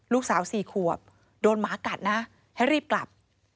ลูกสาว๔ขวบโดนหมากัดนะให้รีบกลับ